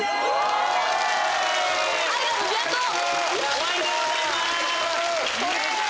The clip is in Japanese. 終わりでございます！